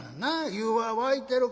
『湯は沸いてるか？』。